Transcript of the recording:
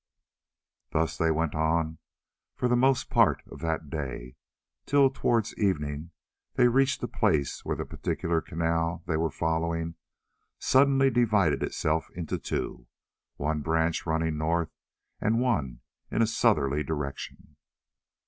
Thus they went on for the most part of that day, till towards evening they reached a place where the particular canal that they were following suddenly divided itself into two, one branch running north and one in a southerly direction.